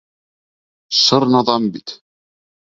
Шыр наҙан бит.